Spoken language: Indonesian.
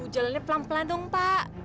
jalannya pelan pelan dong pak